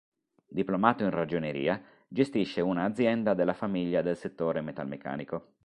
Diplomato in ragioneria, gestisce una azienda della famiglia del settore metalmeccanico.